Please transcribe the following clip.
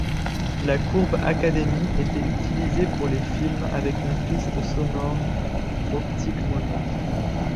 La courbe Academy était utilisée pour les films avec une piste sonore optique mono.